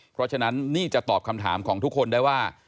เพราะฉะนั้นนี่จะตอบคำถามของทุกคนได้ว่า